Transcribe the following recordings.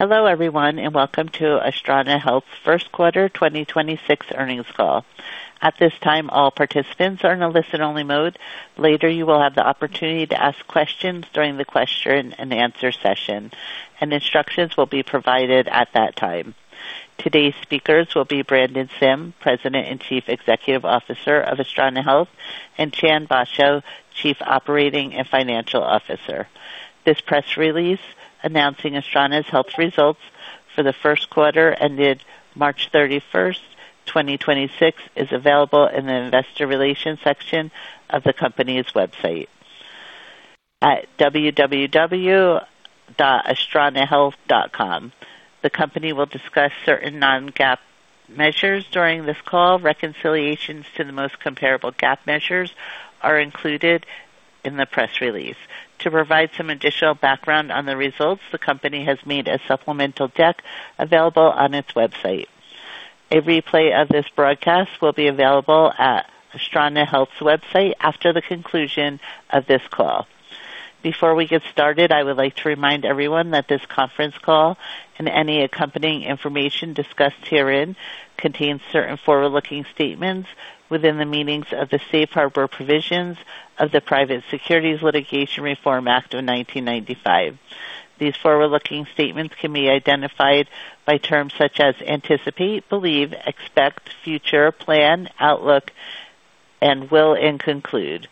Hello everyone, welcome to Astrana Health first quarter 2026 earnings call. At this time, all participants are in a listen-only mode. Later, you will have the opportunity to ask questions during the question-and-answer session, and instructions will be provided at that time. Today's speakers will be Brandon Sim, President and Chief Executive Officer of Astrana Health, and Chan Basho, Chief Operating and Financial Officer. This press release announcing Astrana Health's results for the first quarter ended March 31st, 2026, is available in the investor relations section of the company's website at www.astranahealth.com. The company will discuss certain non-GAAP measures during this call. Reconciliations to the most comparable GAAP measures are included in the press release. To provide some additional background on the results, the company has made a supplemental deck available on its website. A replay of this broadcast will be available at Astrana Health's website after the conclusion of this call. Before we get started, I would like to remind everyone that this conference call and any accompanying information discussed herein contains certain forward-looking statements within the meanings of the Safe Harbor provisions of the Private Securities Litigation Reform Act of 1995. These forward-looking statements can be identified by terms such as anticipate, believe, expect, future, plan, outlook, and will and conclude,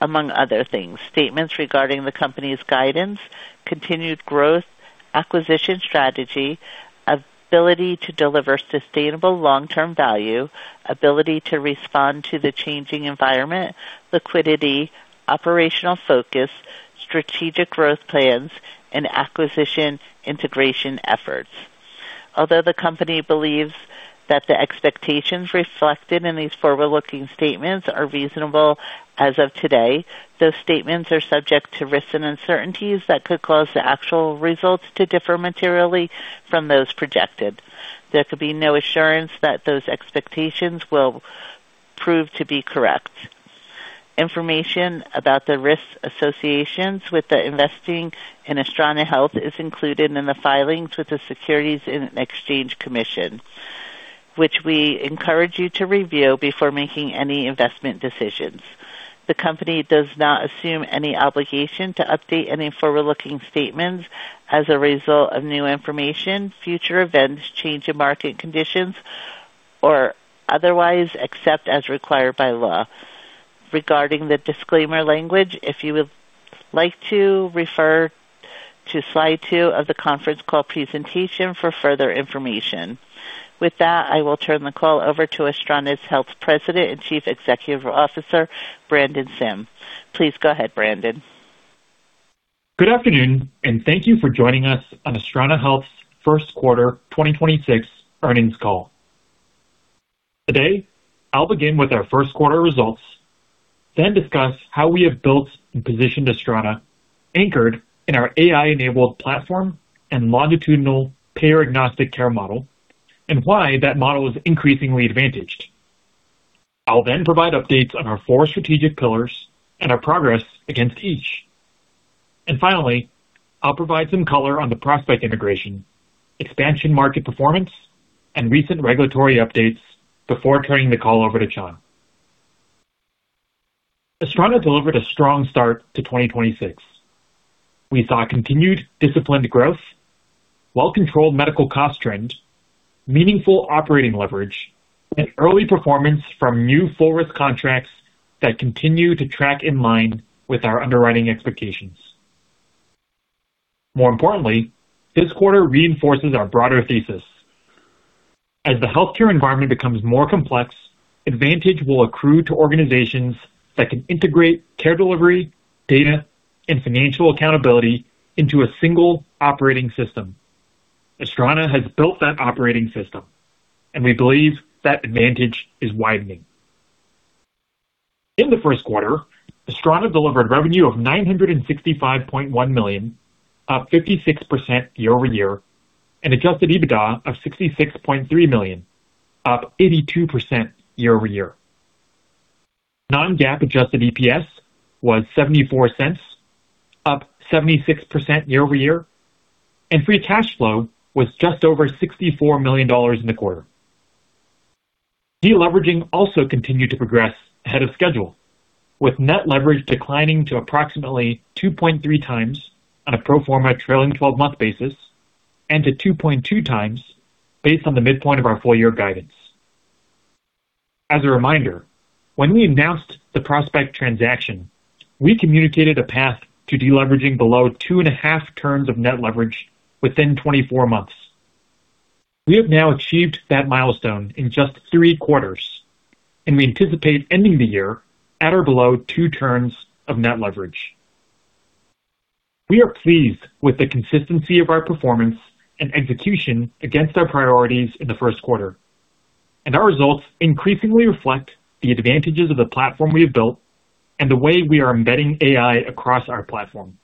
among other things. Statements regarding the company's guidance, continued growth, acquisition strategy, ability to deliver sustainable long-term value, ability to respond to the changing environment, liquidity, operational focus, strategic growth plans, and acquisition integration efforts. Although the company believes that the expectations reflected in these forward-looking statements are reasonable as of today, those statements are subject to risks and uncertainties that could cause the actual results to differ materially from those projected. There could be no assurance that those expectations will prove to be correct. Information about the risks, associations with the investing in Astrana Health is included in the filings with the Securities and Exchange Commission, which we encourage you to review before making any investment decisions. The company does not assume any obligation to update any forward-looking statements as a result of new information, future events, change in market conditions, or otherwise, except as required by law. Regarding the disclaimer language, if you would like to refer to slide two of the conference call presentation for further information. With that, I will turn the call over to Astrana Health President and Chief Executive Officer, Brandon Sim. Please go ahead, Brandon. Good afternoon. Thank you for joining us on Astrana Health's first quarter 2026 earnings call. Today, I'll begin with our first quarter results. Discuss how we have built and positioned Astrana, anchored in our AI-enabled platform and longitudinal payer-agnostic care model. Why that model is increasingly advantaged. I'll provide updates on our four strategic pillars. Our progress against each. Finally, I'll provide some color on the Prospect integration, expansion market performance. Recent regulatory updates before turning the call over to Chan. Astrana delivered a strong start to 2026. We saw continued disciplined growth, well-controlled medical cost trend, meaningful operating leverage. Early performance from new full risk contracts that continue to track in line with our underwriting expectations. More importantly, this quarter reinforces our broader thesis. As the healthcare environment becomes more complex, advantage will accrue to organizations that can integrate care delivery, data, and financial accountability into a single operating system. Astrana has built that operating system, and we believe that advantage is widening. In the first quarter, Astrana delivered revenue of $965.1 million, up 56% year-over-year, and adjusted EBITDA of $66.3 million, up 82% year-over-year. Non-GAAP adjusted EPS was $0.74, up 76% year-over-year, and free cash flow was just over $64 million in the quarter. Deleveraging also continued to progress ahead of schedule, with net leverage declining to approximately 2.3x on a pro-forma trailing twelve-month basis and to 2.2x based on the midpoint of our full year guidance. As a reminder, when we announced the Prospect transaction, we communicated a path to deleveraging below 2.5 turns of net leverage within 24 months. We have now achieved that milestone in just three quarters. We anticipate ending the year at or below two turns of net leverage. We are pleased with the consistency of our performance and execution against our priorities in the first quarter. Our results increasingly reflect the advantages of the platform we have built and the way we are embedding AI across our platform.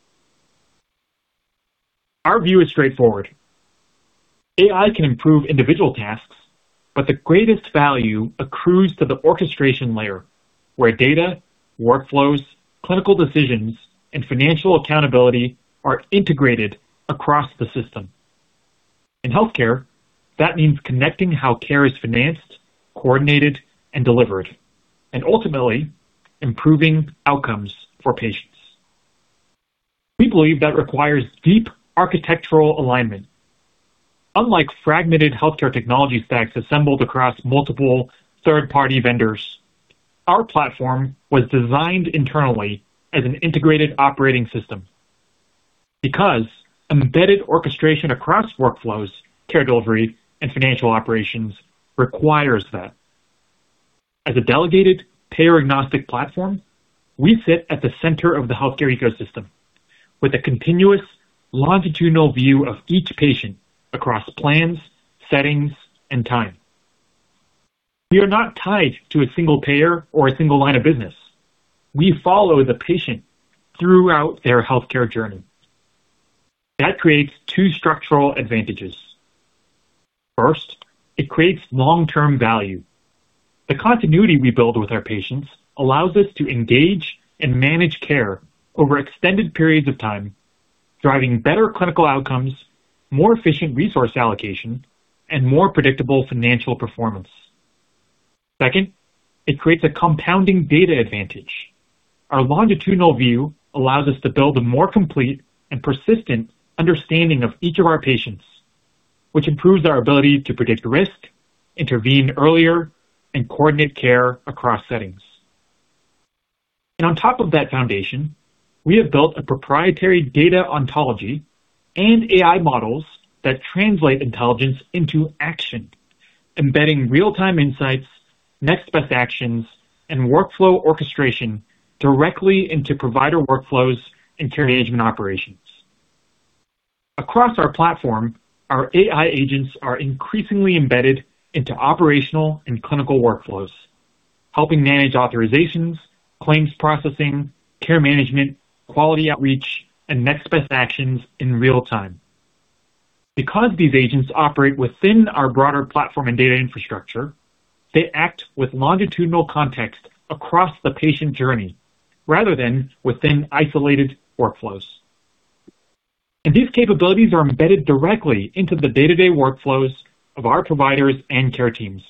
Our view is straightforward: AI can improve individual tasks. The greatest value accrues to the orchestration layer, where data, workflows, clinical decisions, and financial accountability are integrated across the system. In healthcare, that means connecting how care is financed, coordinated, and delivered, and ultimately improving outcomes for patients. We believe that requires deep architectural alignment. Unlike fragmented healthcare technology stacks assembled across multiple third-party vendors, our platform was designed internally as an integrated operating system because embedded orchestration across workflows, care delivery, and financial operations requires that. As a delegated payer-agnostic platform, we sit at the center of the healthcare ecosystem with a continuous longitudinal view of each patient across plans, settings, and time. We are not tied to a single payer or a single line of business. We follow the patient throughout their healthcare journey. That creates two structural advantages. First, it creates long-term value. The continuity we build with our patients allows us to engage and manage care over extended periods of time, driving better clinical outcomes, more efficient resource allocation, and more predictable financial performance. Second, it creates a compounding data advantage. Our longitudinal view allows us to build a more complete and persistent understanding of each of our patients, which improves our ability to predict risk, intervene earlier, and coordinate care across settings. On top of that foundation, we have built a proprietary data ontology and AI models that translate intelligence into action, embedding real-time insights, next best actions, and workflow orchestration directly into provider workflows and care management operations. Across our platform, our AI agents are increasingly embedded into operational and clinical workflows, helping manage authorizations, claims processing, care management, quality outreach, and next best actions in real time. Because these agents operate within our broader platform and data infrastructure, they act with longitudinal context across the patient journey rather than within isolated workflows. These capabilities are embedded directly into the day-to-day workflows of our providers and care teams,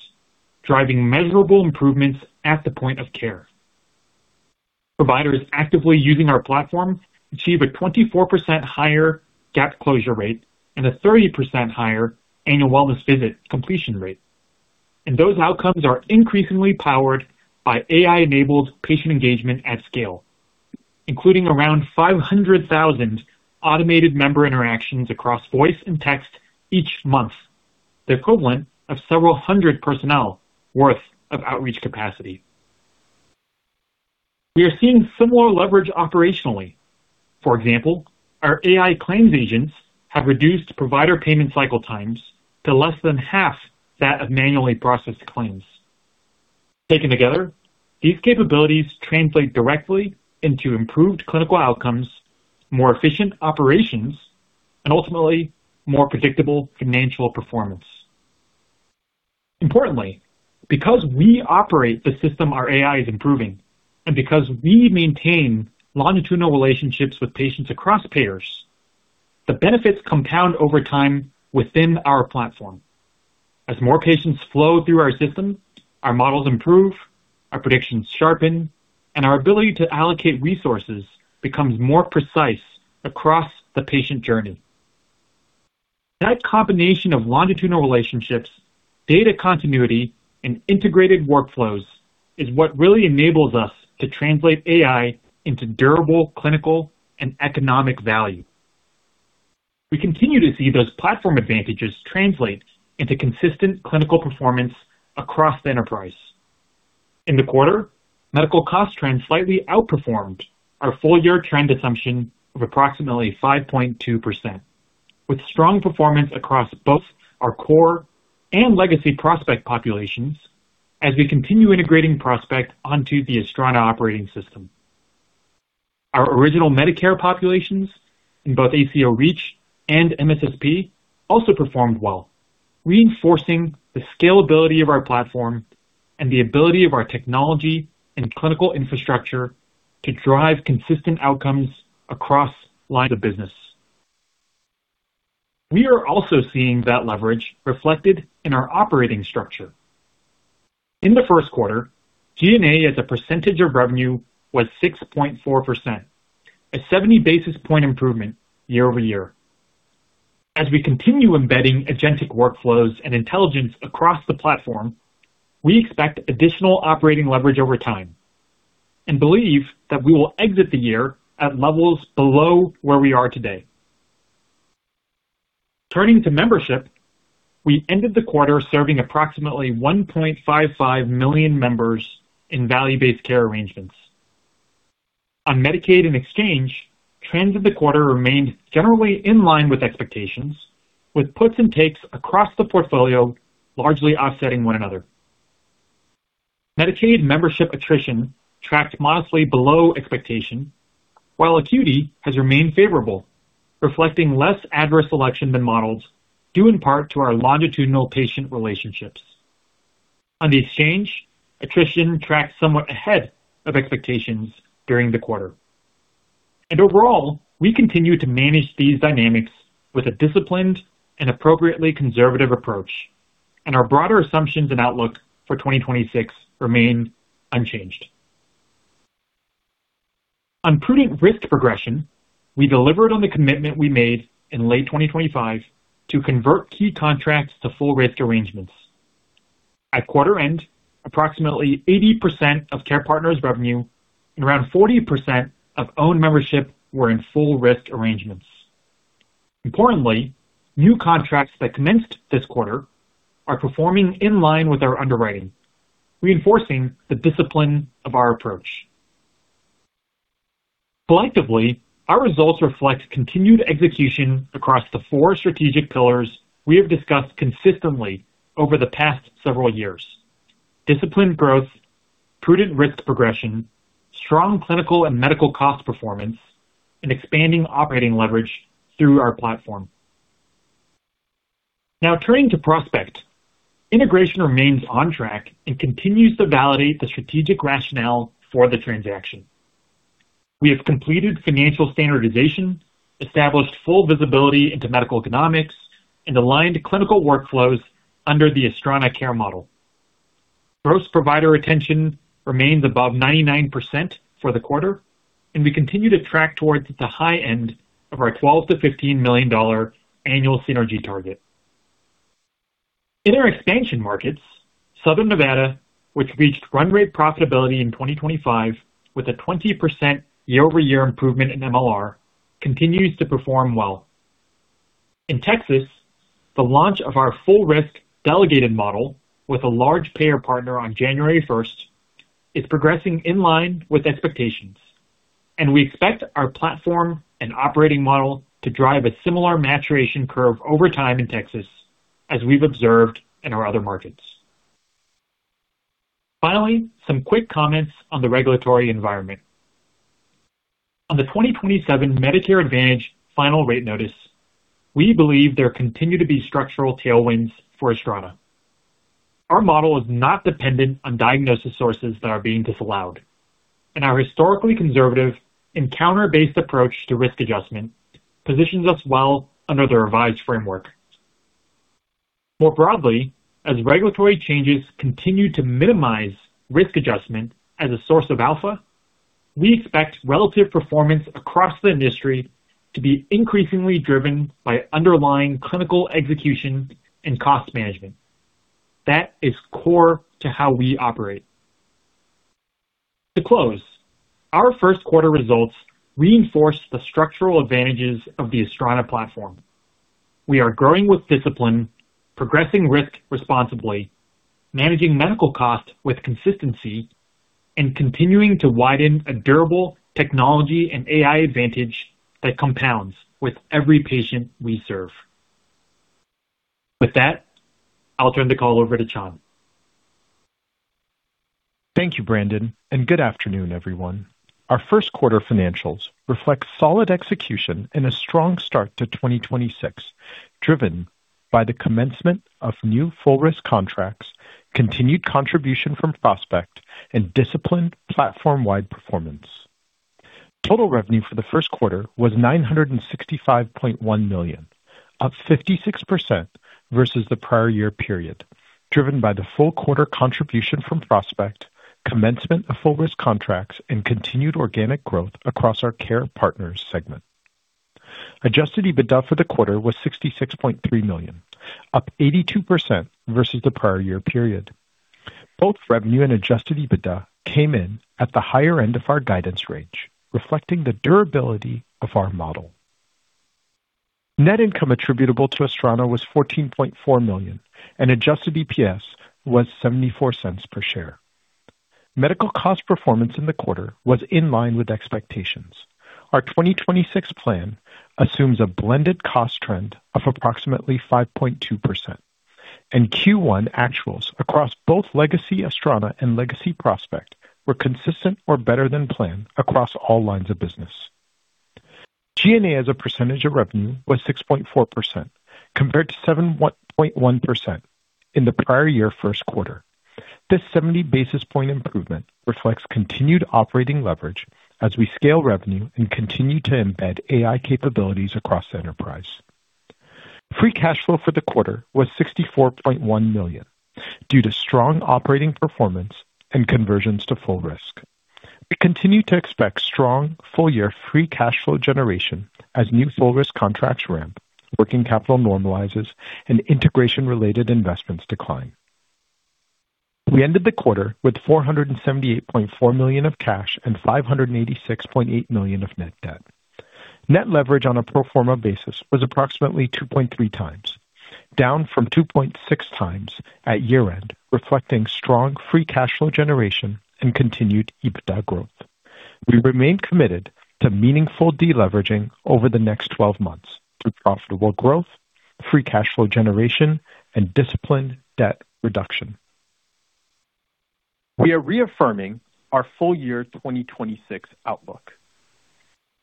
driving measurable improvements at the point of care. Providers actively using our platform achieve a 24% higher gap closure rate and a 30% higher annual wellness visit completion rate. Those outcomes are increasingly powered by AI-enabled patient engagement at scale, including around 500,000 automated member interactions across voice and text each month, the equivalent of several hundred personnel worth of outreach capacity. We are seeing similar leverage operationally. For example, our AI-claims agents have reduced provider payment cycle times to less than 1/2 that of manually processed claims. Taken together, these capabilities translate directly into improved clinical outcomes, more efficient operations, and ultimately more predictable financial performance. Importantly, because we operate the system our AI is improving, and because we maintain longitudinal relationships with patients across payers, the benefits compound over time within our platform. As more patients flow through our system, our models improve, our predictions sharpen, and our ability to allocate resources becomes more precise across the patient journey. That combination of longitudinal relationships, data continuity, and integrated workflows is what really enables us to translate AI into durable clinical and economic value. We continue to see those platform advantages translate into consistent clinical performance across the enterprise. In the quarter, medical cost trends slightly outperformed our full year trend assumption of approximately 5.2%, with strong performance across both our core and legacy Prospect populations as we continue integrating Prospect onto the Astrana operating system. Our original Medicare populations in both ACO REACH and MSSP also performed well, reinforcing the scalability of our platform and the ability of our technology and clinical infrastructure to drive consistent outcomes across lines of business. We are also seeing that leverage reflected in our operating structure. In the first quarter, G&A as a percentage of revenue was 6.4%, a 70 basis point improvement year-over-year. As we continue embedding agentic workflows and intelligence across the platform, we expect additional operating leverage over time and believe that we will exit the year at levels below where we are today. Turning to membership, we ended the quarter serving approximately 1.55 million members in value-based care arrangements. On Medicaid and Exchange, trends of the quarter remained generally in line with expectations, with puts and takes across the portfolio largely offsetting one another. Medicaid membership attrition tracked modestly below expectation, while acuity has remained favorable, reflecting less adverse selection than models due in part to our longitudinal patient relationships. On the Exchange, attrition tracked somewhat ahead of expectations during the quarter. Overall, we continue to manage these dynamics with a disciplined and appropriately conservative approach, and our broader assumptions and outlook for 2026 remain unchanged. On prudent risk progression, we delivered on the commitment we made in late 2025 to convert key contracts to full risk arrangements. At quarter end, approximately 80% of Care Partners revenue and around 40% of owned membership were in full risk arrangements. Importantly, new contracts that commenced this quarter are performing in line with our underwriting, reinforcing the discipline of our approach. Collectively, our results reflect continued execution across the four strategic pillars we have discussed consistently over the past several years: disciplined growth, prudent risk progression, strong clinical and medical cost performance, and expanding operating leverage through our platform. Turning to Prospect. Integration remains on track and continues to validate the strategic rationale for the transaction. We have completed financial standardization, established full visibility into medical economics, and aligned clinical workflows under the Astrana Care Model. Gross provider retention remains above 99% for the quarter, and we continue to track towards the high end of our $12 million-$15 million annual synergy target. In our expansion markets, Southern Nevada, which reached run rate profitability in 2025 with a 20% year-over-year improvement in MLR, continues to perform well. In Texas, the launch of our full risk delegated model with a large payer partner on January 1 is progressing in line with expectations, and we expect our platform and operating model to drive a similar maturation curve over time in Texas as we've observed in our other markets. Finally, some quick comments on the regulatory environment. On the 2027 Medicare Advantage final rate notice, we believe there continue to be structural tailwinds for Astrana. Our model is not dependent on diagnosis sources that are being disallowed, and our historically conservative encounter-based approach to risk adjustment positions us well under the revised framework. More broadly, as regulatory changes continue to minimize risk adjustment as a source of alpha, we expect relative performance across the industry to be increasingly driven by underlying clinical execution and cost management. That is core to how we operate. To close, our first quarter results reinforce the structural advantages of the Astrana platform. We are growing with discipline, progressing risk responsibly, managing medical costs with consistency, and continuing to widen a durable technology and AI advantage that compounds with every patient we serve. With that, I'll turn the call over to Chan. Thank you, Brandon, and good afternoon everyone? Our first quarter financials reflect solid execution and a strong start to 2026, driven by the commencement of new full risk contracts, continued contribution from Prospect, and disciplined platform-wide performance. Total revenue for the first quarter was $965.1 million, up 56% versus the prior year period, driven by the full quarter contribution from Prospect, commencement of full risk contracts, and continued organic growth across our Care Partners segment. Adjusted EBITDA for the quarter was $66.3 million, up 82% versus the prior year period. Both revenue and adjusted EBITDA came in at the higher end of our guidance range, reflecting the durability of our model. Net income attributable to Astrana was $14.4 million, and adjusted EPS was $0.74 per share. Medical cost performance in the quarter was in line with expectations. Our 2026 plan assumes a blended cost trend of approximately 5.2%, and Q1 actuals across both legacy Astrana and legacy Prospect were consistent or better than plan across all lines of business. G&A as a percentage of revenue was 6.4% compared to 7.1% in the prior year first quarter. This 70 basis point improvement reflects continued operating leverage as we scale revenue and continue to embed AI capabilities across the enterprise. Free cash flow for the quarter was $64.1 million due to strong operating performance and conversions to full risk. We continue to expect strong full-year free cash flow generation as new full risk contracts ramp, working capital normalizes, and integration-related investments decline. We ended the quarter with $478.4 million of cash and $586.8 million of net debt. Net leverage on a pro forma basis was approximately 2.3x, down from 2.6x at year-end, reflecting strong free cash flow generation and continued EBITDA growth. We remain committed to meaningful deleveraging over the next 12 months through profitable growth, free cash flow generation, and disciplined debt reduction. We are reaffirming our full year 2026 outlook.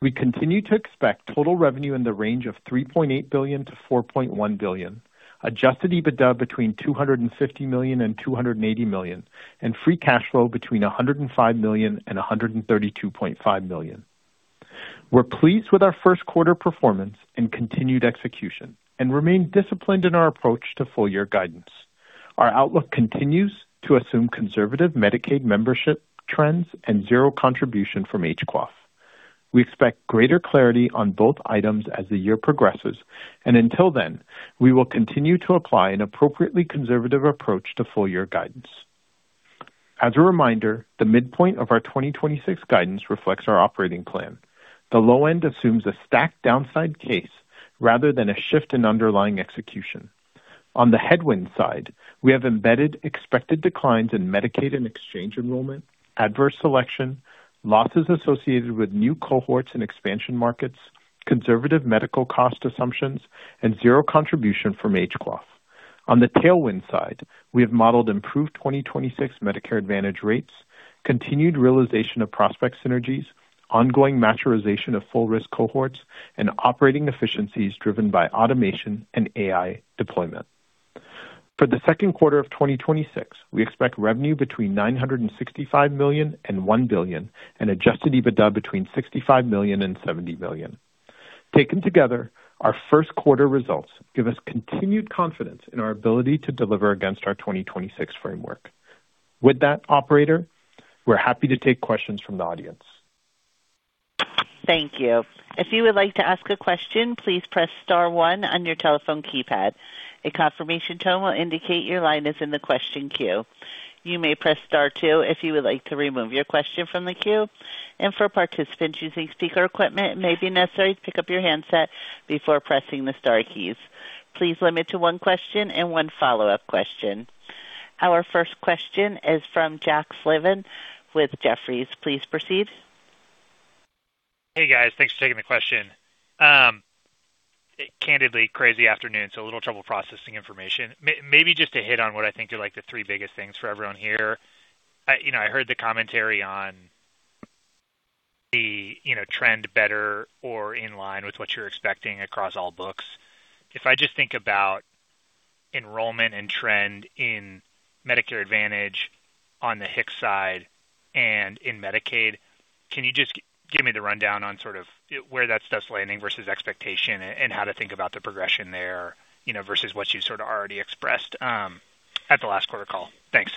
We continue to expect total revenue in the range of $3.8 billion-$4.1 billion, adjusted EBITDA between $250 million and $280 million, and free cash flow between $105 million and $132.5 million. We're pleased with our first quarter performance and continued execution and remain disciplined in our approach to full year guidance. Our outlook continues to assume conservative Medicaid membership trends and zero contribution from HQAF. We expect greater clarity on both items as the year progresses, and until then, we will continue to apply an appropriately conservative approach to full year guidance. As a reminder, the midpoint of our 2026 guidance reflects our operating plan. The low end assumes a stacked downside case rather than a shift in underlying execution. On the headwind side, we have embedded expected declines in Medicaid and exchange enrollment, adverse selection, losses associated with new cohorts in expansion markets, conservative medical cost assumptions, and zero contribution from HQAF. On the tailwind side, we have modeled improved 2026 Medicare Advantage rates, continued realization of Prospect synergies, ongoing maturization of full risk cohorts, and operating efficiencies driven by automation and AI deployment. For the second quarter of 2026, we expect revenue between $965 million and $1 billion and adjusted EBITDA between $65 million and $70 million. Taken together, our first quarter results give us continued confidence in our ability to deliver against our 2026 framework. With that, operator, we're happy to take questions from the audience. Thank you. If you would like to ask a question, please press star one on your telephone keypad. A confirmation tone will indicate your line is in the question queue. You may press star two if you would like to remove your question from the queue. For participants using speaker equipment, it may be necessary to pick up your handset before pressing the star keys. Please limit to one question and one follow-up question. Our first question is from Jack Slevin with Jefferies, please proceed. Hey, guys. Thanks for taking the question. Candidly, crazy afternoon, so a little trouble processing information. Maybe just to hit on what I think are, like, the three biggest things for everyone here. I, you know, I heard the commentary on the, you know, trend better or in line with what you're expecting across all books. If I just think about enrollment and trend in Medicare Advantage on the HIX side and in Medicaid, can you just give me the rundown on sort of where that stuff's landing versus expectation and how to think about the progression there, you know, versus what you've sort of already expressed at the last quarter call? Thanks.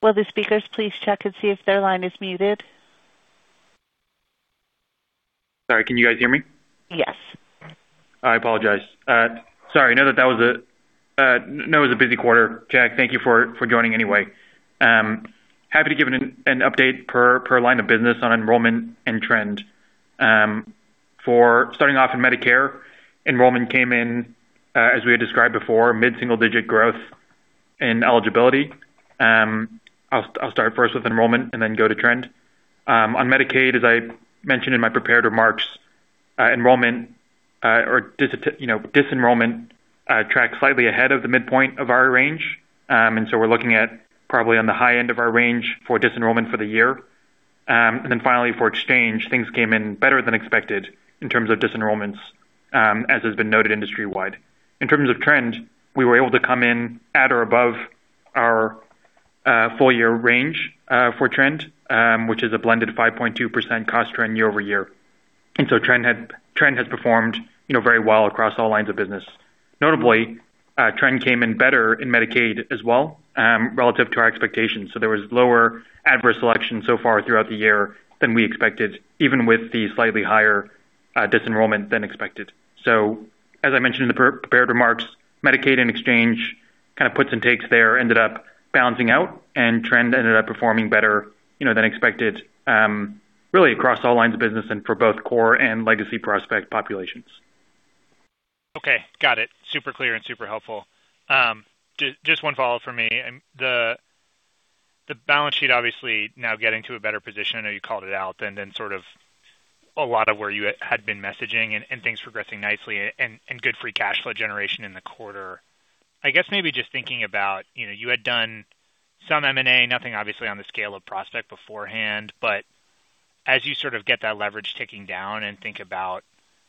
Will the speakers please check and see if their line is muted? Sorry, can you guys hear me? Yes. I apologize. Sorry. Know that was a busy quarter, Jack. Thank you for joining anyway. Happy to give an update per line of business on enrollment and trend. Starting off in Medicare, enrollment came in, as we had described before, mid-single digit growth in eligibility. I'll start first with enrollment and then go to trend. On Medicaid, as I mentioned in my prepared remarks, enrollment, or you know, disenrollment, tracked slightly ahead of the midpoint of our range. We're looking at probably on the high end of our range for disenrollment for the year. Finally, for Exchange, things came in better than expected in terms of disenrollments, as has been noted industry-wide. In terms of trend, we were able to come in at or above our full year range for trend, which is a blended 5.2% cost trend year-over-year. Trend has performed, you know, very well across all lines of business. Notably, trend came in better in Medicaid as well, relative to our expectations. There was lower adverse selection so far throughout the year than we expected, even with the slightly higher disenrollment than expected. As I mentioned in the pre-prepared remarks, Medicaid and Exchange kind of puts and takes there ended up balancing out, and trend ended up performing better, you know, than expected, really across all lines of business and for both core and legacy Prospect populations. Okay. Got it. Super clear and super helpful. Just one follow-up from me. The balance sheet obviously now getting to a better position. I know you called it out, and then sort of a lot of where you had been messaging and things progressing nicely and good free cash flow generation in the quarter. I guess maybe just thinking about, you know, you had done some M&A, nothing obviously on the scale of Prospect beforehand. As you sort of get that leverage ticking down and think about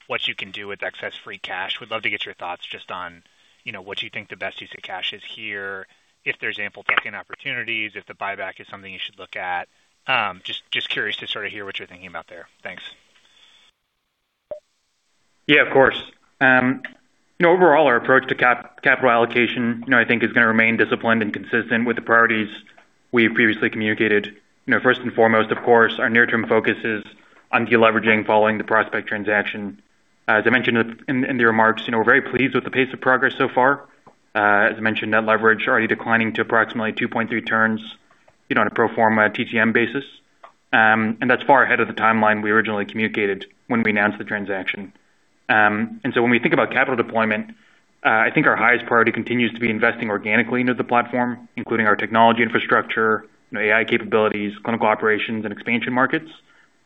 what you can do with excess free cash, would love to get your thoughts just on, you know, what you think the best use of cash is here, if there's ample opportunities, if the buyback is something you should look at. Just curious to sort of hear what you're thinking about there. Thanks. Yeah, of course. you know, overall, our approach to capital allocation, you know, I think, is gonna remain disciplined and consistent with the priorities we have previously communicated. you know, first and foremost, of course, our near-term focus is on deleveraging following the Prospect transaction. As I mentioned in the remarks, you know, we're very pleased with the pace of progress so far. As I mentioned, net leverage already declining to approximately 2.3 turns, you know, on a pro-forma TTM basis. That's far ahead of the timeline we originally communicated when we announced the transaction. When we think about capital deployment, I think our highest priority continues to be investing organically into the platform, including our technology infrastructure, you know, AI capabilities, clinical operations, and expansion markets.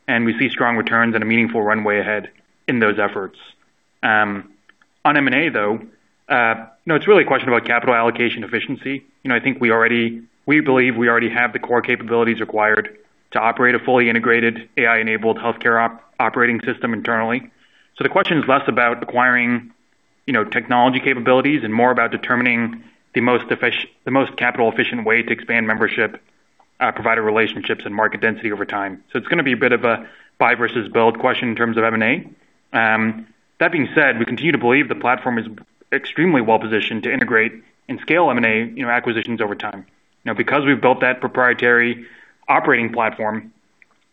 We see strong returns and a meaningful runway ahead in those efforts. On M&A, though, you know, it's really a question about capital allocation efficiency. You know, I think we believe we already have the core capabilities required to operate a fully integrated AI-enabled healthcare operating system internally. The question is less about acquiring, you know, technology capabilities and more about determining the most capital efficient way to expand membership, provider relationships, and market density over time. It's gonna be a bit of a buy versus build question in terms of M&A. That being said, we continue to believe the platform is extremely well-positioned to integrate and scale M&A, you know, acquisitions over time. You know, because we've built that proprietary operating platform,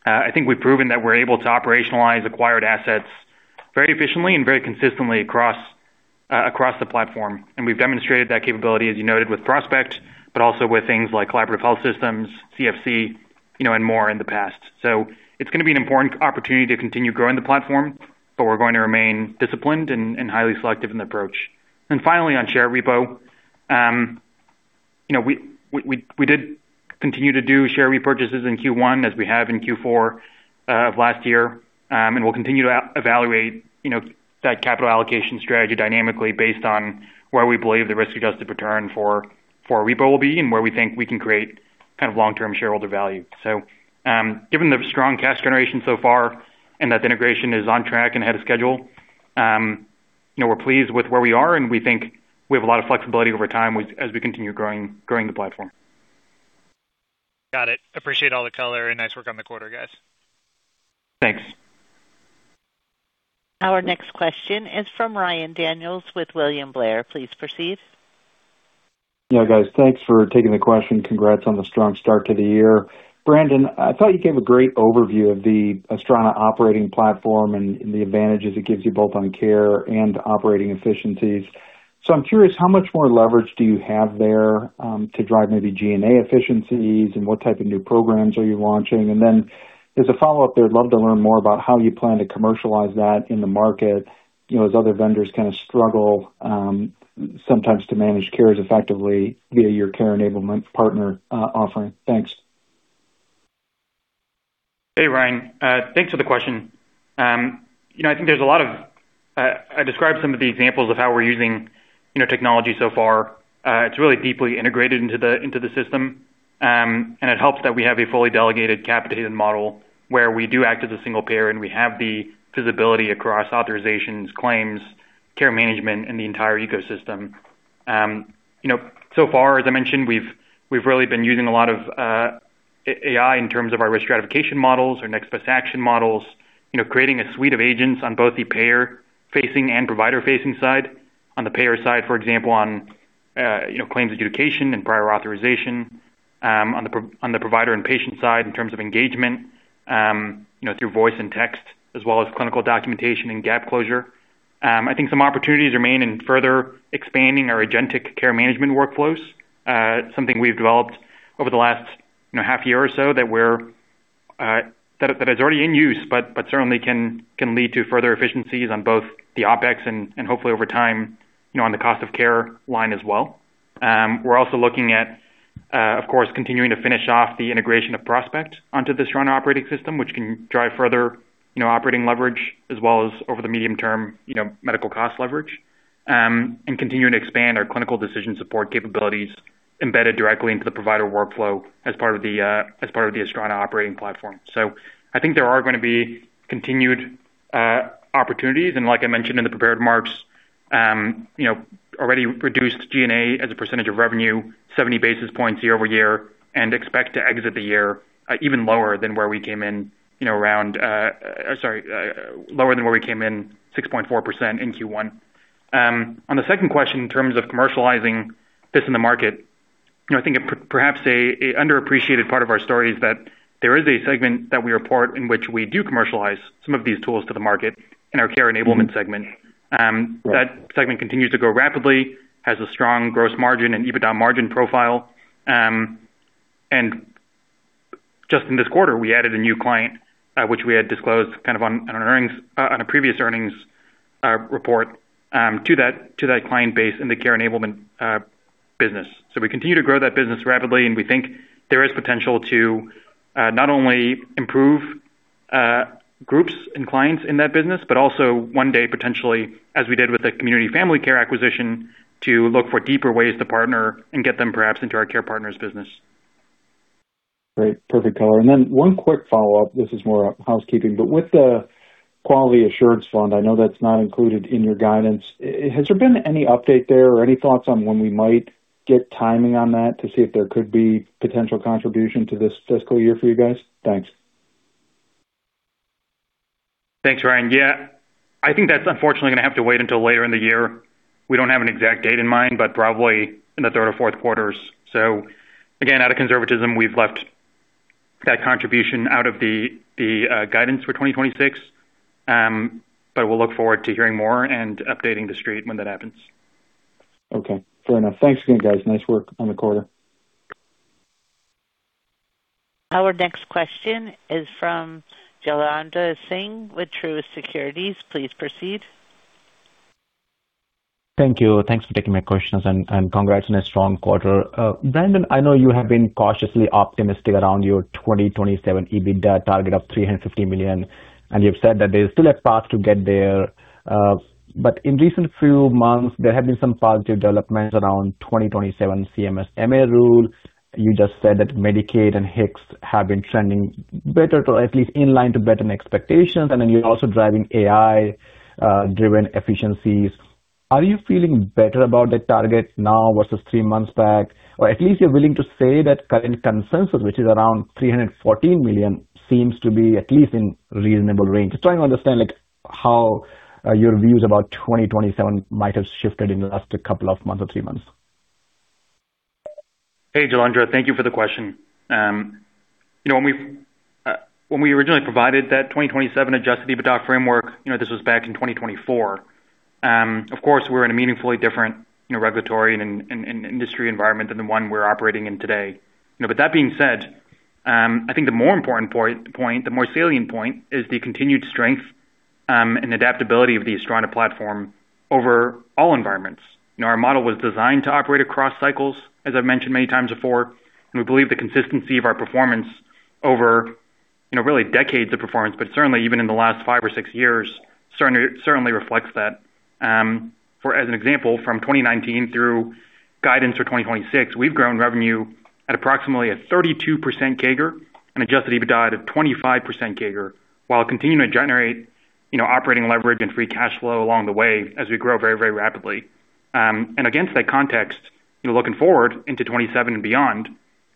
I think we've proven that we're able to operationalize acquired assets very efficiently and very consistently across the platform. We've demonstrated that capability, as you noted, with Prospect, but also with things like Collaborative Health Systems, CFC, you know, and more in the past. It's gonna be an important opportunity to continue growing the platform, but we're going to remain disciplined and highly selective in approach. Finally, on share repo, you know, we did continue to do share repurchases in Q1 as we have in Q4 of last year. We'll continue to evaluate, you know, that capital allocation strategy dynamically based on where we believe the risk-adjusted return for repo will be and where we think we can create kind of long-term shareholder value. Given the strong cash generation so far and that the integration is on track and ahead of schedule, you know, we're pleased with where we are, and we think we have a lot of flexibility over time as we continue growing the platform. Got it. Appreciate all the color, and nice work on the quarter, guys. Thanks. Our next question is from Ryan Daniels with William Blair, please proceed. Yeah, guys, thanks for taking the question. Congrats on the strong start to the year. Brandon, I thought you gave a great overview of the Astrana operating platform and the advantages it gives you both on care and operating efficiencies. I'm curious, how much more leverage do you have there to drive maybe G&A efficiencies, and what type of new programs are you launching? As a follow-up there, I'd love to learn more about how you plan to commercialize that in the market, you know, as other vendors kind of struggle sometimes to manage care as effectively via your Care Enablement partner offering. Thanks. Hey, Ryan? Thanks for the question. You know, I think there's a lot of, I described some of the examples of how we're using, you know, technology so far. It's really deeply integrated into the system. It helps that we have a fully delegated capitated model where we do act as a single payer, and we have the visibility across authorizations, claims, care management, and the entire ecosystem. You know, so far, as I mentioned, we've really been using a lot of AI in terms of our risk stratification models, our next best action models. You know, creating a suite of agents on both the payer-facing and provider-facing side. On the payer side, for example, on, you know, claims adjudication and prior authorization, on the provider and patient side in terms of engagement, you know, through voice and text as well as clinical documentation and gap closure. I think some opportunities remain in further expanding our agentic care management workflows. Something we've developed over the last, you know, half year or so that we're that is already in use, but certainly can lead to further efficiencies on both the OpEx and hopefully over time, you know, on the cost of care line as well. We're also looking at, of course, continuing to finish off the integration of Prospect onto the Astrana operating system, which can drive further, you know, operating leverage as well as over the medium term, you know, medical cost leverage. Continuing to expand our clinical decision support capabilities embedded directly into the provider workflow as part of the as part of the Astrana operating platform. I think there are gonna be continued opportunities. And like I mentioned in the prepared remarks, you know, already reduced G&A as a percentage of revenue 70 basis points year-over-year and expect to exit the year even lower than where we came in, you know, around lower than where we came in 6.4% in Q1. On the second question, in terms of commercializing this in the market, you know, I think perhaps a underappreciated part of our story is that there is a segment that we report in which we do commercialize some of these tools to the market in our Care Enablement segment. That segment continues to grow rapidly, has a strong gross margin and EBITDA margin profile. Just in this quarter, we added a new client, which we had disclosed kind of on a previous earnings report, to that client base in the Care Enablement business. We continue to grow that business rapidly, and we think there is potential to not only improve groups and clients in that business, but also one day, potentially, as we did with the Community Family Care acquisition, to look for deeper ways to partner and get them perhaps into our Care Partners business. Great. Perfect color. One quick follow-up. This is more housekeeping, but with the Quality Assurance Fund, I know that's not included in your guidance. Has there been any update there or any thoughts on when we might get timing on that to see if there could be potential contribution to this fiscal year for you guys? Thanks. Thanks, Ryan. Yeah. I think that's unfortunately gonna have to wait until later in the year. We don't have an exact date in mind, but probably in the third or fourth quarters. Again, out of conservatism, we've left that contribution out of the guidance for 2026. We'll look forward to hearing more and updating the street when that happens. Okay, fair enough. Thanks again, guys. Nice work on the quarter. Our next question is from Jailendra Singh with Truist Securities, please proceed. Thank you. Thanks for taking my questions. Congrats on a strong quarter. Brandon, I know you have been cautiously optimistic around your 2027 EBITDA target of $350 million. You've said that there's still a path to get there. In recent few months, there have been some positive developments around 2027 CMS MA rule. You just said that Medicaid and HIX have been trending better to at least in line to better than expectations. Then you're also driving AI-driven efficiencies. Are you feeling better about that target now versus three months back? Or at least you're willing to say that current consensus, which is around $314 million, seems to be at least in reasonable range. Just trying to understand, like, how your views about 2027 might have shifted in the last two months or three months. Hey, Jailendra. Thank you for the question. When we originally provided that 2027 adjusted EBITDA framework, this was back in 2024. Of course, we're in a meaningfully different regulatory and industry environment than the one we're operating in today. But that being said, I think the more important point, the more salient point is the continued strength and adaptability of the Astrana platform over all environments. Our model was designed to operate across cycles, as I've mentioned many times before, and we believe the consistency of our performance over really decades of performance, but certainly even in the last five or six years, certainly reflects that. For as an example, from 2019 through guidance for 2026, we've grown revenue at approximately a 32% CAGR and adjusted EBITDA at 25% CAGR, while continuing to generate, you know, operating leverage and free cash flow along the way as we grow very, very rapidly. And against that context, you know, looking forward into 2027 and beyond,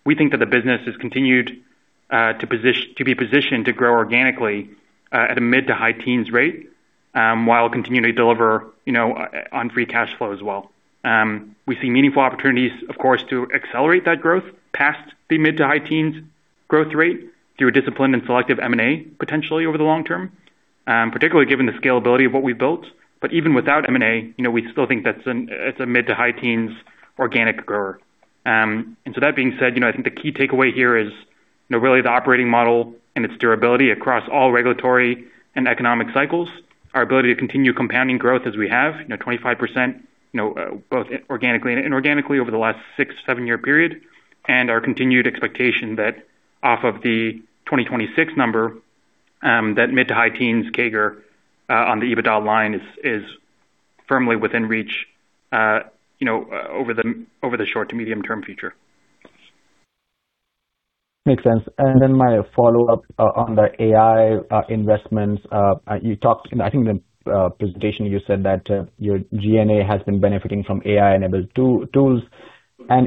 we think that the business has continued to be positioned to grow organically at a mid-to-high teens rate, while continuing to deliver, you know, on free cash flow as well. We see meaningful opportunities, of course, to accelerate that growth past the mid-to-high teens growth rate through a disciplined and selective M&A potentially over the long term, particularly given the scalability of what we've built. Even without M&A, you know, we still think it's a mid-to-high teens organic grower. That being said, you know, I think the key takeaway here is, you know, really the operating model and its durability across all regulatory and economic cycles, our ability to continue compounding growth as we have, you know, 25%, both organically and inorganically over the last six-year, seven-year period, and our continued expectation that off of the 2026 number, that mid-to-high teens CAGR on the EBITDA line is firmly within reach, you know, over the short to medium term future. Makes sense. Then my follow-up on the AI investments. You talked, and I think the presentation, you said that your G&A has been benefiting from AI-enabled tools.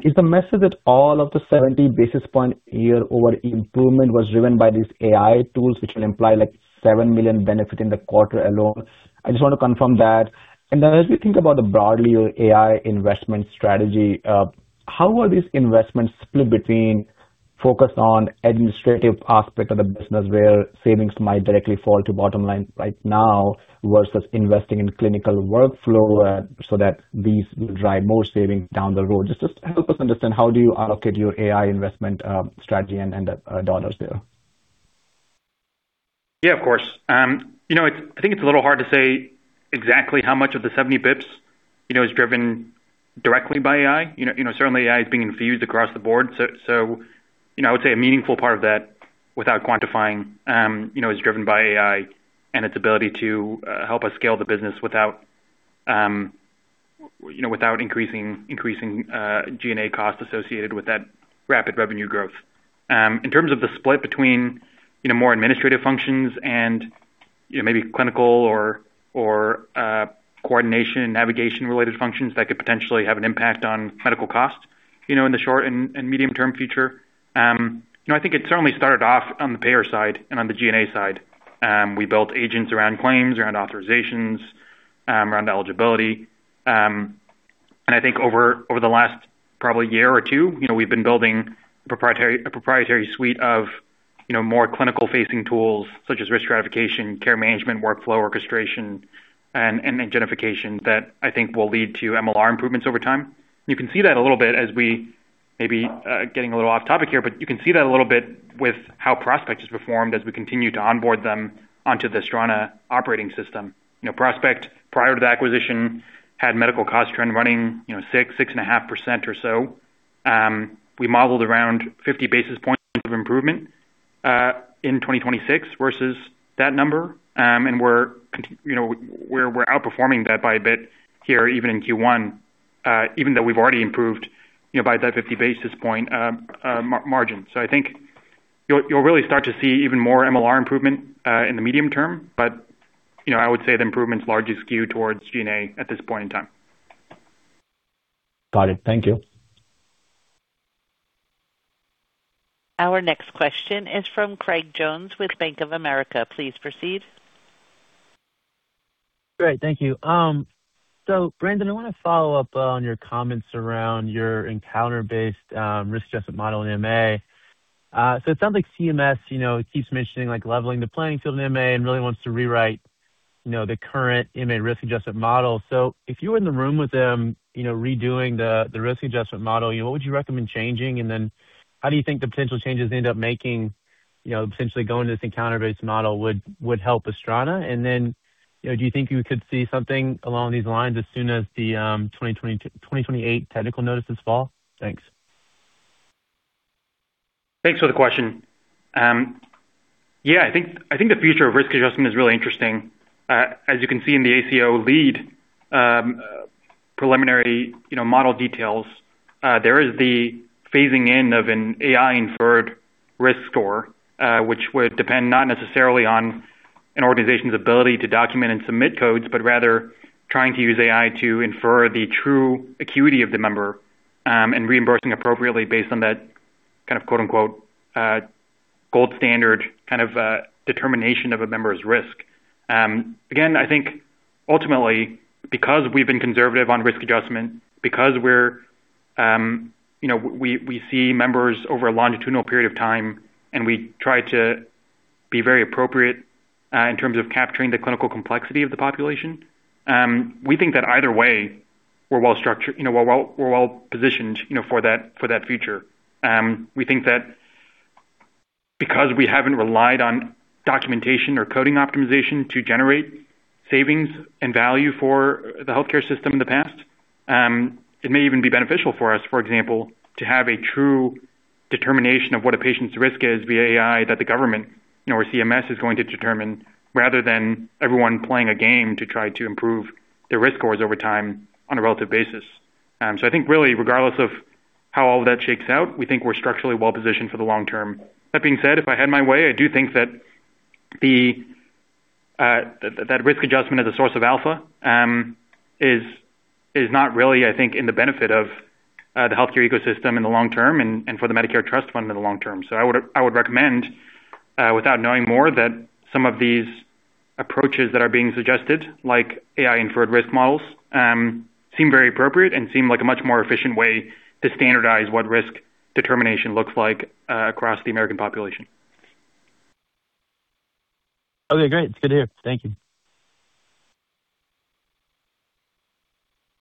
Is the message that all of the 70 basis point year over improvement was driven by these AI tools, which will imply like $7 million benefit in the quarter alone? I just want to confirm that. Then as we think about the broadly your AI investment strategy, how are these investments split between focus on administrative aspect of the business where savings might directly fall to bottom line right now versus investing in clinical workflow, so that these will drive more savings down the road? Just help us understand how do you allocate your AI investment strategy and dollars there. Yeah, of course. You know, I think it's a little hard to say exactly how much of the 70 basis points, you know, is driven directly by AI. You know, certainly AI is being infused across the board. You know, I would say a meaningful part of that without quantifying, you know, is driven by AI and its ability to help us scale the business without, you know, without increasing G&A costs associated with that rapid revenue growth. In terms of the split between, you know, more administrative functions and, you know, maybe clinical or coordination and navigation related functions that could potentially have an impact on medical costs, you know, in the short and medium term future. You know, I think it certainly started off on the payer side and on the G&A side. We built agents around claims, around authorizations, around eligibility. I think over the last probably year or two, you know, we've been building a proprietary suite of, you know, more clinical facing tools such as risk stratification, care management, workflow orchestration, and identification that I think will lead to MLR improvements over time. You can see that a little bit as we maybe getting a little off topic here, but you can see that a little bit with how Prospect has performed as we continue to onboard them onto the Astrana operating system. You know, Prospect, prior to the acquisition, had medical cost trend running, you know, 6.5% or so. We modeled around 50 basis points of improvement in 2026 versus that number. you know, we're outperforming that by a bit here even in Q1, even though we've already improved, you know, by that 50 basis point margin. I think you'll really start to see even more MLR improvement in the medium term. you know, I would say the improvements largely skew towards G&A at this point in time. Got it. Thank you. Our next question is from Craig Jones with Bank of America, please proceed. Great. Thank you. Brandon, I wanna follow up on your comments around your encounter-based risk adjustment model in MA. It sounds like CMS, you know, keeps mentioning like leveling the playing field in MA and really wants to rewrite, you know, the current MA risk adjustment model. If you were in the room with them, you know, redoing the risk adjustment model, you know, what would you recommend changing? How do you think the potential changes they end up making, you know, potentially going to this encounter-based model would help Astrana? Do you think you could see something along these lines as soon as the 2028 technical notice this fall? Thanks. Thanks for the question. Yeah, I think the future of risk adjustment is really interesting. As you can see in the ACO REACH, preliminary, you know, model details, there is the phasing in of an AI-inferred risk score, which would depend not necessarily on an organization's ability to document and submit codes, but rather trying to use AI to infer the true acuity of the member, and reimbursing appropriately based on that kind of quote-on-quote, gold standard kind of, determination of a member's risk. Again, I think ultimately, because we've been conservative on risk adjustment, because we see members over a longitudinal period of time, and we try to be very appropriate in terms of capturing the clinical complexity of the population, we think that either way, we're well-positioned for that future. We think that because we haven't relied on documentation or coding optimization to generate savings and value for the healthcare system in the past, it may even be beneficial for us, for example, to have a true determination of what a patient's risk is via AI that the government nor CMS is going to determine rather than everyone playing a game to try to improve their risk scores over time on a relative basis. I think really regardless of how all that shakes out, we think we're structurally well-positioned for the long term. That being said, if I had my way, I do think that that risk adjustment as a source of alpha is not really, I think, in the benefit of the healthcare ecosystem in the long term and for the Medicare trust fund in the long term. I would, I would recommend without knowing more, that some of these approaches that are being suggested, like AI-inferred risk models, seem very appropriate and seem like a much more efficient way to standardize what risk determination looks like across the American population. Okay, great. It's good to hear. Thank you.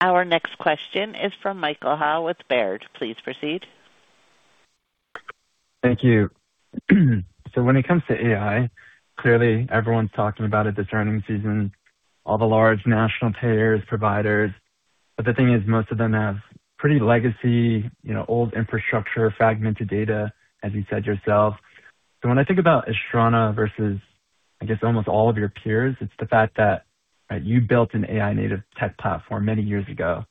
Our next question is from Michael Ha with Baird, please proceed. Thank you. When it comes to AI, clearly everyone's talking about it this earnings season, all the large national payers, providers, the thing is most of them have pretty legacy, you know, old infrastructure, fragmented data, as you said yourself. When I think about Astrana versus, I guess, almost all of your peers, it's the fact that, right, you built an AI-native tech platform many years ago,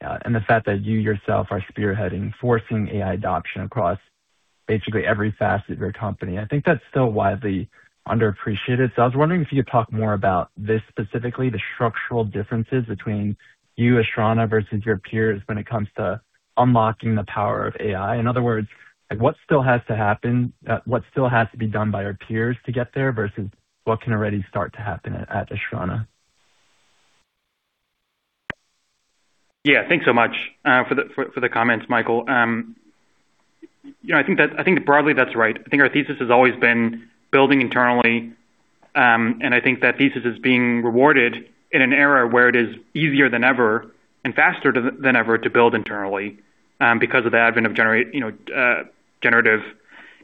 and the fact that you yourself are spearheading, forcing AI adoption across basically every facet of your company. I think that's still widely underappreciated. I was wondering if you could talk more about this specifically, the structural differences between you, Astrana, versus your peers when it comes to unlocking the power of AI. In other words, like what still has to happen, what still has to be done by your peers to get there versus what can already start to happen at Astrana? Yeah. Thanks so much for the comments, Michael. You know, I think broadly that's right. I think our thesis has always been building internally. I think that thesis is being rewarded in an era where it is easier than ever and faster than ever to build internally because of the advent of, you know, generative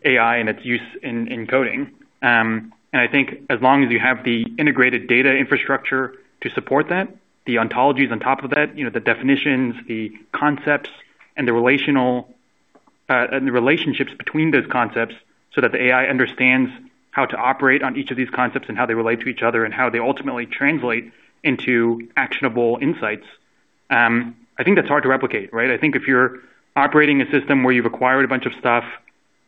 AI and its use in coding. I think as long as you have the integrated data infrastructure to support that, the ontology is on top of that, you know, the definitions, the concepts, and the relational relationships between those concepts so that the AI understands how to operate on each of these concepts and how they relate to each other and how they ultimately translate into actionable insights, I think that's hard to replicate, right? I think if you're operating a system where you've acquired a bunch of stuff,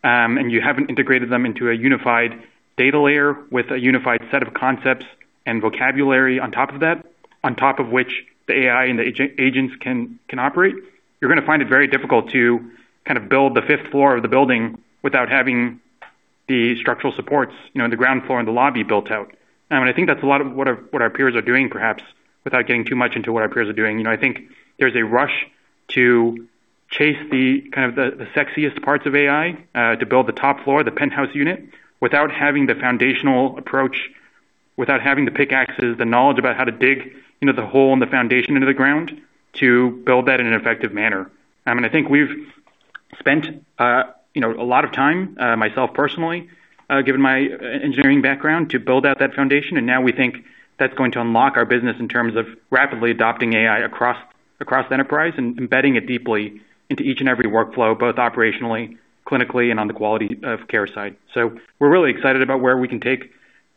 and you haven't integrated them into a unified data layer with a unified set of concepts and vocabulary on top of that, on top of which the AI and the agents can operate, you're gonna find it very difficult to kind of build the fifth floor of the building without having the structural supports, you know, the ground floor and the lobby built out. I think that's a lot of what our, what our peers are doing, perhaps without getting too much into what our peers are doing. You know, I think there's a rush to chase the kind of the sexiest parts of AI to build the top floor, the penthouse unit, without having the foundational approach, without having the pickaxes, the knowledge about how to dig, you know, the hole and the foundation into the ground to build that in an effective manner. I mean, I think we've spent, you know, a lot of time, myself personally, given my engineering background, to build out that foundation, and now we think that's going to unlock our business in terms of rapidly adopting AI across enterprise and embedding it deeply into each and every workflow, both operationally, clinically, and on the quality of care side. We're really excited about where we can take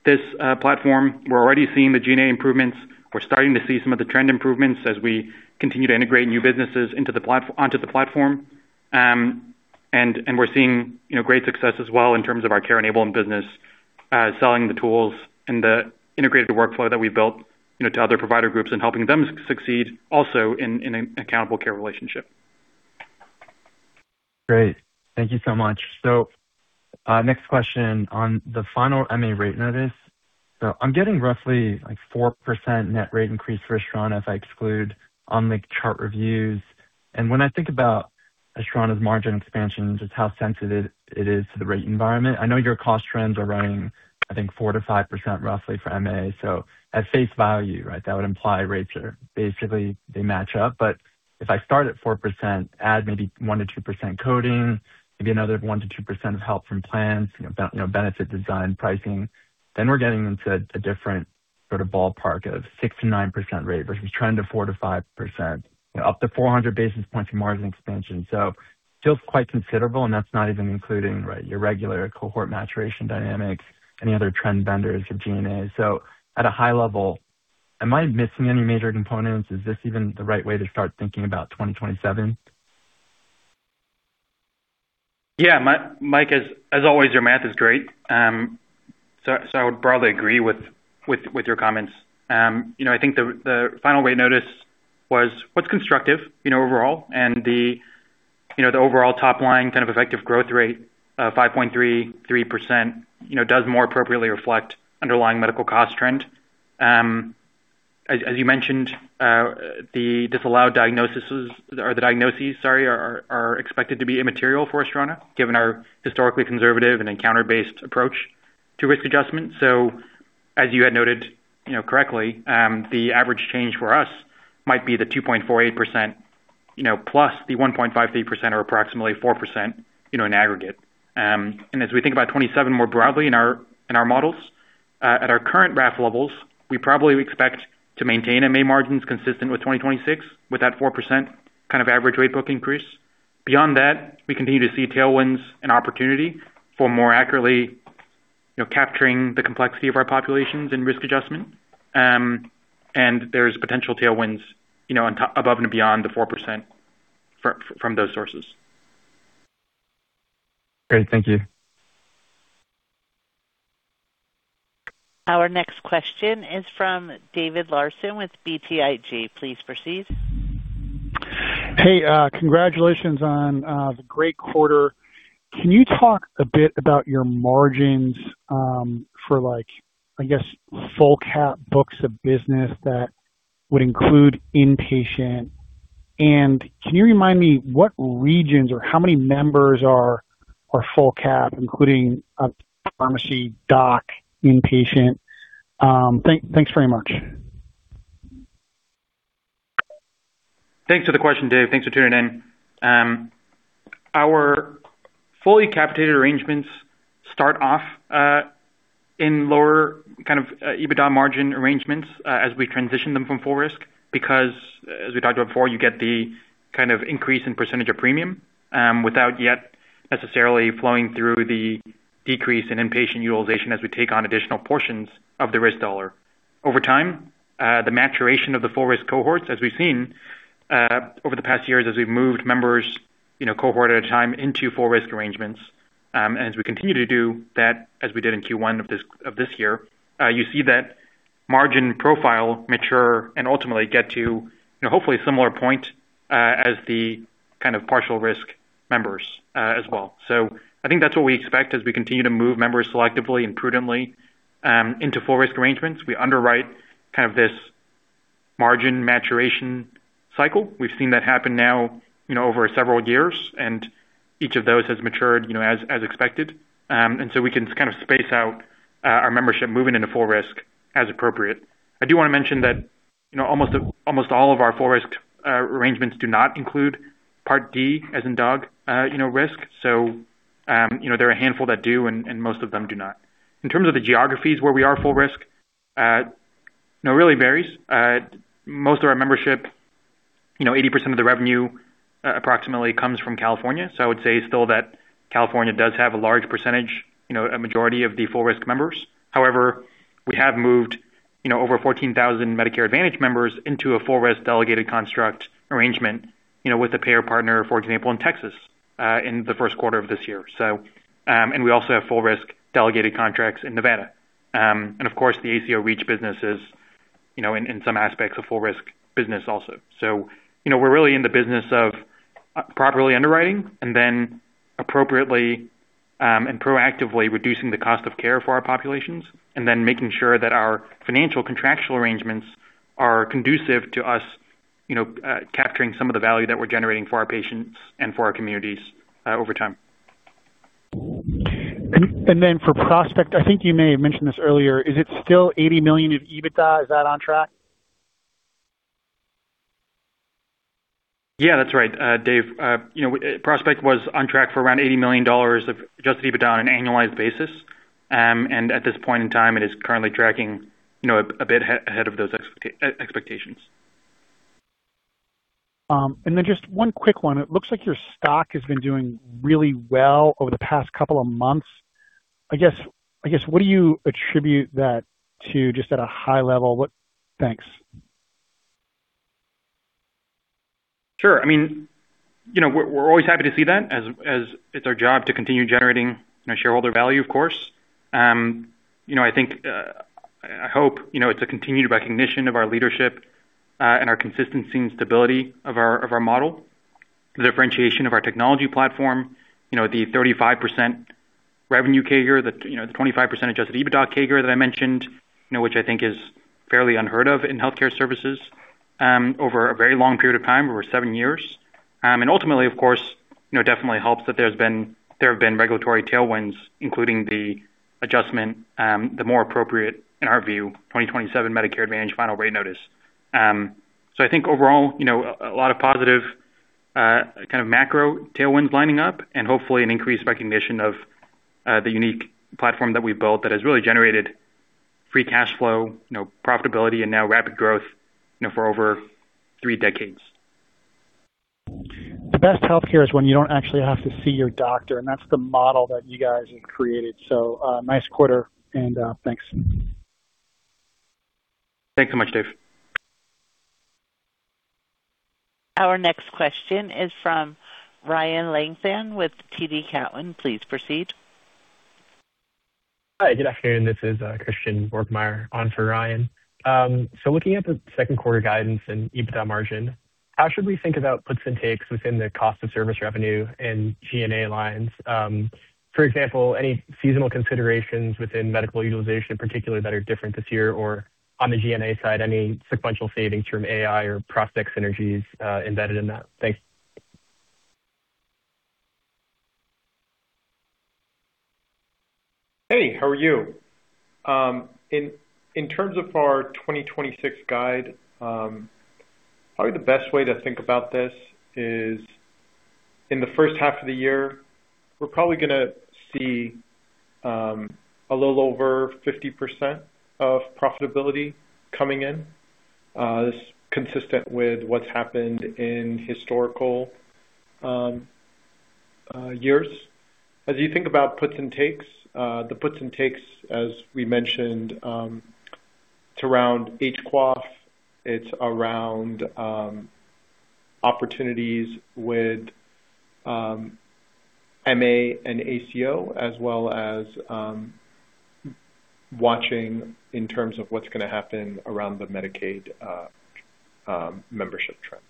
this platform. We're already seeing the G&A improvements. We're starting to see some of the trend improvements as we continue to integrate new businesses onto the platform. We're seeing, you know, great success as well in terms of our Care Enablement business, selling the tools and the integrated workflow that we've built, you know, to other provider groups and helping them succeed also in an accountable care relationship. Great. Thank you so much. Next question on the final MA rate notice. I'm getting roughly like 4% net rate increase for Astrana if I exclude on the chart reviews. When I think about Astrana's margin expansion, just how sensitive it is to the rate environment. I know your cost trends are running, I think 4%-5% roughly for MA. At face value, right, that would imply rates are basically they match up. If I start at 4%, add maybe 1%-2% coding, maybe another 1%-2% of help from plans, you know, benefit design pricing, we're getting into a different sort of ballpark of 6%-9% rate versus trend of 4%-5%, up to 400 basis points of margin expansion. Feels quite considerable, and that's not even including, right, your regular cohort maturation dynamics, any other trend benders of G&A. At a high level, am I missing any major components? Is this even the right way to start thinking about 2027? Mike, as always, your math is great. I would broadly agree with your comments. I think the final rate notice was what's constructive, you know, overall and the, you know, the overall top line kind of effective growth rate, 5.33%, you know, does more appropriately reflect underlying medical cost trend. As you mentioned, the disallowed diagnoses or the diagnoses, sorry, are expected to be immaterial for Astrana given our historically conservative and encounter-based approach to risk adjustment. As you had noted, you know, correctly, the average change for us might be the 2.48%, you know, plus the 1.53% or approximately 4%, you know, in aggregate. As we think about 2027 more broadly in our, in our models, at our current RAF levels, we probably expect to maintain MA margins consistent with 2026 with that 4% kind of average rate book increase. Beyond that, we continue to see tailwinds and opportunity for more accurately, you know, capturing the complexity of our populations and risk adjustment. There's potential tailwinds, you know, above and beyond the 4% from those sources. Great. Thank you. Our next question is from David Larsen with BTIG, please proceed. Hey, congratulations on the great quarter. Can you talk a bit about your margins, for like, I guess, full cap books of business that would include inpatient? Can you remind me what regions or how many members are full cap, including pharmacy, doc, inpatient? Thanks very much. Thanks for the question, Dave. Thanks for tuning in. Our fully capitated arrangements start off in lower kind of EBITDA margin arrangements as we transition them from full risk. As we talked about before, you get the kind of increase in percentage of premium without yet necessarily flowing through the decrease in inpatient utilization as we take on additional portions of the risk dollar. Over time, the maturation of the full risk cohorts, as we've seen over the past years as we've moved members, you know, cohort at a time into full risk arrangements. As we continue to do that, as we did in Q1 of this year, you see that margin profile mature and ultimately get to, you know, hopefully similar point as the kind of partial risk members as well. I think that's what we expect as we continue to move members selectively and prudently into full risk arrangements. We underwrite kind of this margin maturation cycle. We've seen that happen now, you know, over several years, and each of those has matured, you know, as expected. We can kind of space out our membership moving into full risk as appropriate. I do want to mention that, you know, almost all of our full risk arrangements do not include Part D, as in dog, you know, risk. You know, there are a handful that do and most of them do not. In terms of the geographies where we are full risk, you know, really varies. Most of our membership, you know, 80% of the revenue approximately comes from California. I would say still that California does have a large percentage, you know, a majority of the full risk members. However, we have moved, you know, over 14,000 Medicare Advantage members into a full risk delegated construct arrangement, you know, with a payer partner, for example, in Texas, in the first quarter of this year. We also have full risk delegated contracts in Nevada. Of course, the ACO REACH business is, you know, in some aspects, a full risk business also. You know, we're really in the business of properly underwriting and then appropriately and proactively reducing the cost of care for our populations, and then making sure that our financial contractual arrangements are conducive to us, you know, capturing some of the value that we're generating for our patients and for our communities over time. For Prospect, I think you may have mentioned this earlier, is it still $80 million of EBITDA? Is that on track? Yeah, that's right, Dave. You know, Prospect was on track for around $80 million of adjusted EBITDA on an annualized basis. At this point in time, it is currently tracking, you know, a bit ahead of those expectations. Just one quick one. It looks like your stock has been doing really well over the past couple of months. I guess, what do you attribute that to just at a high level? Thanks. Sure. I mean, you know, we're always happy to see that as it's our job to continue generating shareholder value, of course. You know, I think, I hope, you know, it's a continued recognition of our leadership and our consistency and stability of our model. The differentiation of our technology platform, you know, the 35% revenue CAGR, the, you know, the 25% adjusted EBITDA CAGR that I mentioned, you know, which I think is fairly unheard of in healthcare services, over a very long period of time, over seven years. Ultimately, of course, you know, definitely helps that there have been regulatory tailwinds, including the adjustment, the more appropriate, in our view, 2027 Medicare Advantage final rate notice. I think overall, you know, a lot of positive, kind of macro tailwinds lining up and hopefully an increased recognition of, the unique platform that we built that has really generated free cash flow, you know, profitability and now rapid growth, you know, for over three decades. The best healthcare is when you don't actually have to see your doctor, and that's the model that you guys have created. Nice quarter and thanks. Thanks so much, Dave. Our next question is from Ryan Langston with TD Cowen, please proceed. Hi, good afternoon? This is Christian Borgmeyer on for Ryan. Looking at the second quarter guidance and EBITDA margin, how should we think about puts and takes within the cost of service revenue and G&A lines? For example, any seasonal considerations within medical utilization particularly that are different this year or on the G&A side, any sequential savings from AI or Prospect synergies embedded in that? Thanks. Hey, how are you? In terms of our 2026 guide, probably the best way to think about this is in the first half of the year, we're probably gonna see a little over 50% of profitability coming in. This is consistent with what's happened in historical years. As you think about puts and takes, the puts and takes, as we mentioned, it's around HQAF, it's around opportunities with MA and ACO, as well as watching in terms of what's gonna happen around the Medicaid membership trend.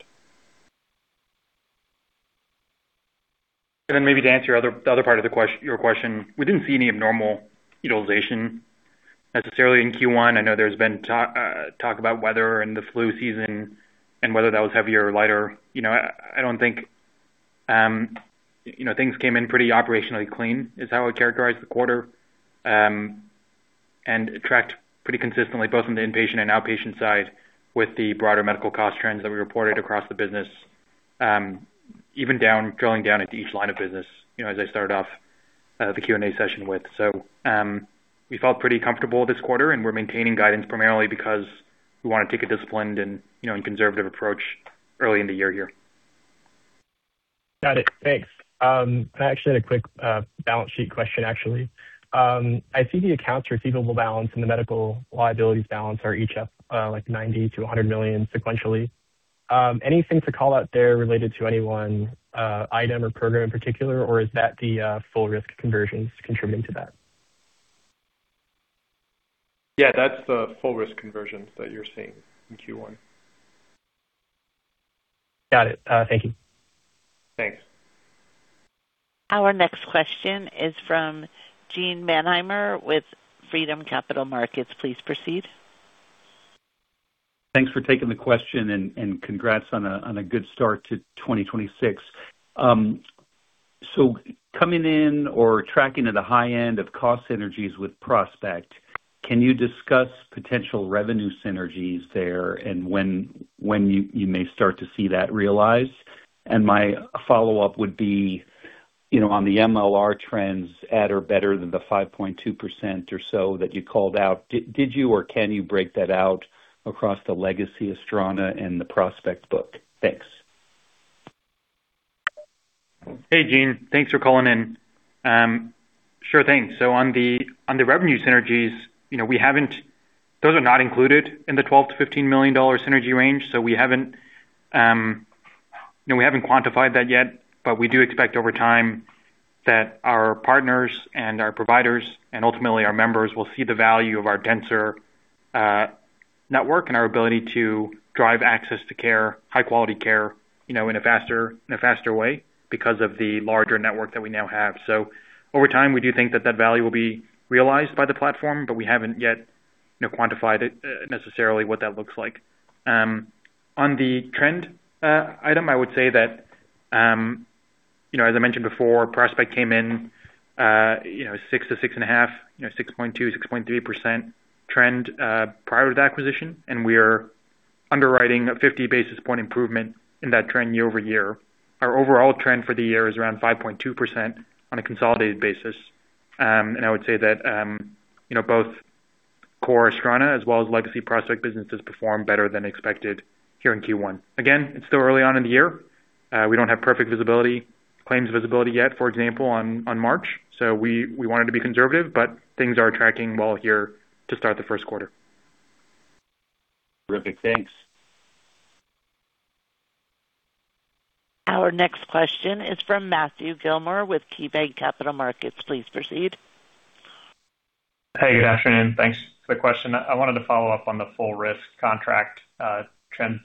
Maybe to answer your other, the other part of your question, we didn't see any abnormal utilization necessarily in Q1. I know there's been talk about weather and the flu season and whether that was heavier or lighter. You know, I don't think, you know, things came in pretty operationally clean is how I characterize the quarter. Tracked pretty consistently, both on the inpatient and outpatient side with the broader medical cost trends that we reported across the business, even down, drilling down into each line of business, you know, as I started off the Q&A session with. We felt pretty comfortable this quarter, and we're maintaining guidance primarily because we wanna take a disciplined and, you know, and conservative approach early in the year here. Got it. Thanks. I actually had a quick balance sheet question. I see the accounts receivable balance and the medical liabilities balance are each up $90 million to $100 million sequentially. Anything to call out there related to any one item or program in particular, or is that the full risk conversions contributing to that? Yeah, that's the full risk conversions that you're seeing in Q1. Got it. Thank you. Thanks. Our next question is from Gene Mannheimer with Freedom Capital Markets, please proceed. Thanks for taking the question and congrats on a good start to 2026. Coming in or tracking at a high end of cost synergies with Prospect, can you discuss potential revenue synergies there and when you may start to see that realized? My follow-up would be, you know, on the MLR trends at or better than the 5.2% or so that you called out, did you or can you break that out across the legacy Astrana and the Prospect book? Thanks. Hey, Gene? Thanks for calling in. Sure thing. On the revenue synergies, you know, those are not included in the $12 million-$15 million synergy range, so we haven't, you know, we haven't quantified that yet, but we do expect over time that our partners and our providers and ultimately our members will see the value of our denser network and our ability to drive access to care, high-quality care, you know, in a faster way because of the larger network that we now have. Over time, we do think that that value will be realized by the platform, but we haven't yet, you know, quantified it necessarily what that looks like. On the trend item, I would say that, as I mentioned before, Prospect came in 6%-6.5%, 6.2%, 6.3% trend prior to the acquisition, and we are underwriting a 50 basis point improvement in that trend year-over-year. Our overall trend for the year is around 5.2% on a consolidated basis. I would say that both core Astrana as well as legacy Prospect businesses performed better than expected here in Q1. Again, it's still early on in the year. We don't have perfect visibility, claims visibility yet, for example, on March. We wanted to be conservative, but things are tracking well here to start the first quarter. Terrific. Thanks. Our next question is from Matthew Gillmor with KeyBanc Capital Markets, please proceed. Hey, good afternoon. Thanks for the question. I wanted to follow up on the full risk contract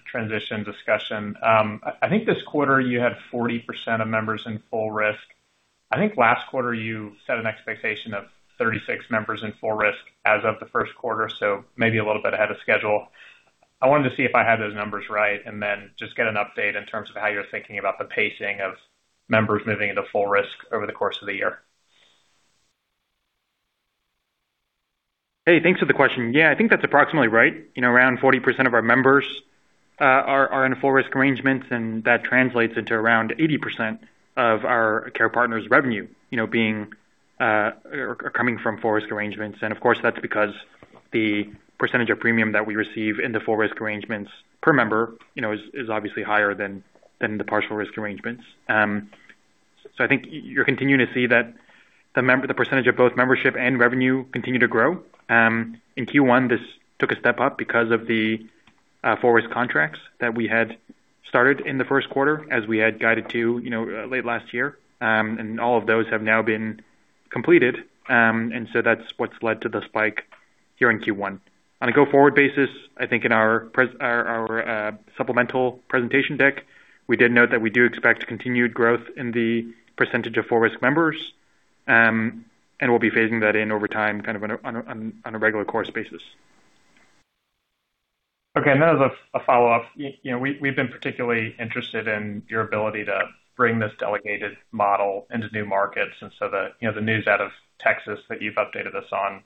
transition discussion. I think this quarter, you had 40% of members in full risk. I think last quarter you set an expectation of 36 members in full risk as of the first quarter, so maybe a little bit ahead of schedule. I wanted to see if I had those numbers right, and then just get an update in terms of how you're thinking about the pacing of members moving into full risk over the course of the year. Hey, thanks for the question. Yeah, I think that's approximately right. You know, around 40% of our members are in full risk arrangements, and that translates into around 80% of our Care Partners revenue, you know, being or coming from full risk arrangements. Of course, that's because the percentage of premium that we receive in the full risk arrangements per member, you know, is obviously higher than the partial risk arrangements. I think you're continuing to see that the percentage of both membership and revenue continue to grow. In Q1, this took a step up because of the full risk contracts that we had started in the first quarter as we had guided to, you know, late last year. All of those have now been completed. That's what's led to the spike here in Q1. On a go-forward basis, I think in our supplemental presentation deck, we did note that we do expect continued growth in the percentage of full risk members, and we'll be phasing that in over time, kind of on a regular course basis. Okay. As a follow-up, you know, we've been particularly interested in your ability to bring this delegated model into new markets. The, you know, the news out of Texas that you've updated us on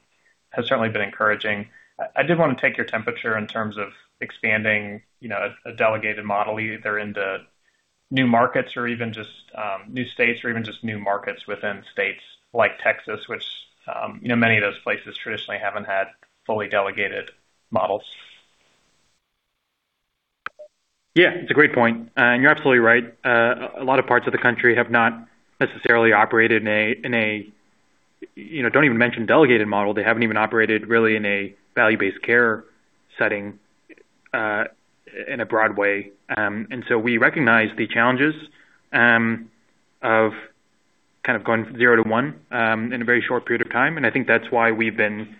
has certainly been encouraging. I did wanna take your temperature in terms of expanding, you know, a delegated model either into new markets or even just new states or even just new markets within states like Texas, which, you know, many of those places traditionally haven't had fully delegated models. Yeah, it's a great point. You're absolutely right. A lot of parts of the country have not necessarily operated in a, in a, you know, don't even mention delegated model. They haven't even operated really in a value-based care setting, in a broad way. We recognize the challenges of kind of going from zero to one in a very short period of time. I think that's why we've been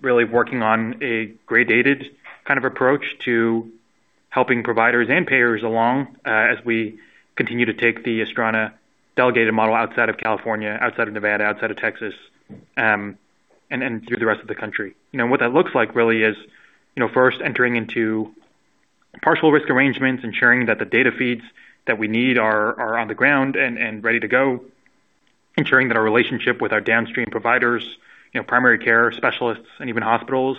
really working on a gradated kind of approach to helping providers and payers along as we continue to take the Astrana delegated model outside of California, outside of Nevada, outside of Texas, and then through the rest of the country. You know, what that looks like really is, you know, first entering into partial risk arrangements, ensuring that the data feeds that we need are on the ground and ready to go. Ensuring that our relationship with our downstream providers, you know, primary care specialists and even hospitals,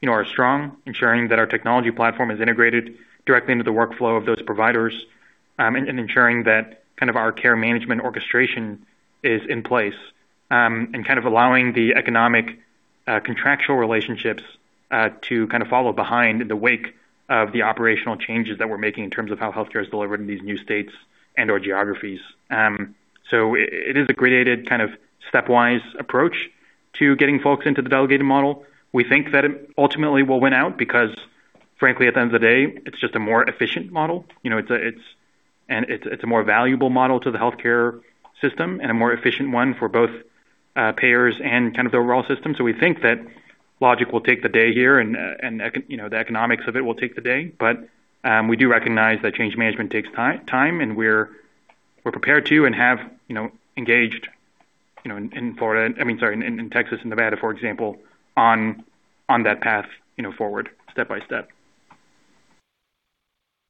you know, are strong. Ensuring that our technology platform is integrated directly into the workflow of those providers and ensuring that kind of our care management orchestration is in place. Kind of allowing the economic contractual relationships to kind of follow behind the wake of the operational changes that we're making in terms of how healthcare is delivered in these new states and/or geographies. It is a gradated kind of stepwise approach to getting folks into the delegated model. We think that it ultimately will win out because frankly, at the end of the day, it's just a more efficient model. You know, it's a more valuable model to the healthcare system and a more efficient one for both payers and kind of the overall system. We think that logic will take the day here and, you know, the economics of it will take the day. We do recognize that change management takes time, and we're prepared to and have, you know, engaged, you know, in Florida, I mean, sorry, in Texas and Nevada, for example, on that path, you know, forward step by step.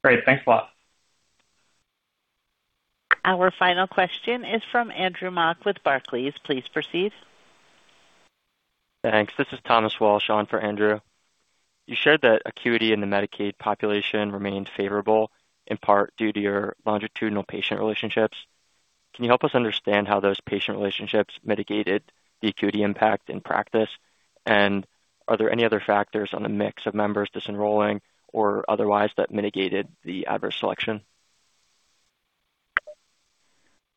Great. Thanks a lot. Our final question is from Andrew Mok with Barclays, please proceed. Thanks. This is Thomas Walsh on for Andrew. You shared that acuity in the Medicaid population remained favorable, in part due to your longitudinal patient relationships. Can you help us understand how those patient relationships mitigated the acuity impact in practice? Are there any other factors on the mix of members disenrolling or otherwise that mitigated the adverse selection?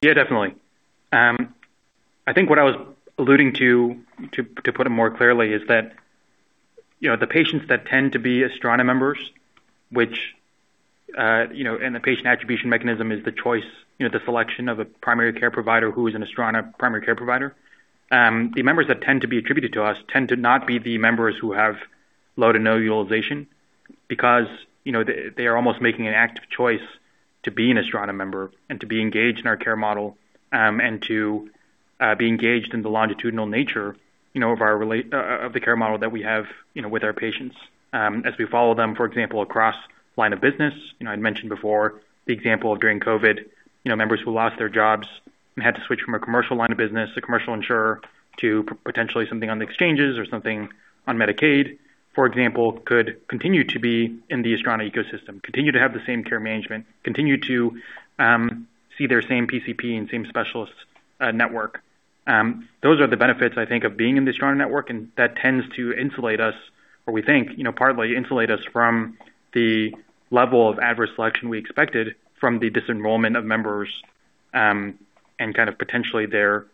Yeah, definitely. I think what I was alluding to put it more clearly is that, you know, the patients that tend to be Astrana members, which, you know, and the patient attribution mechanism is the choice, you know, the selection of a primary care provider who is an Astrana primary care provider. The members that tend to be attributed to us tend to not be the members who have low to no utilization because, you know, they are almost making an active choice to be an Astrana member and to be engaged in our care model and to be engaged in the longitudinal nature, you know, of the care model that we have, you know, with our patients as we follow them, for example, across line of business. You know, I'd mentioned before the example of during COVID, you know, members who lost their jobs and had to switch from a commercial line of business, a commercial insurer, to potentially something on the exchanges or something on Medicaid, for example, could continue to be in the Astrana ecosystem, continue to have the same Care Enablement, continue to see their same PCP and same specialist network. Those are the benefits, I think, of being in the Astrana network, and that tends to insulate us or we think, you know, partly insulate us from the level of adverse selection we expected from the dis-enrollment of members, and kind of potentially their